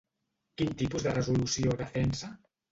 Quin tipus de resolució defensa?